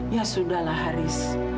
ya sudah lah haris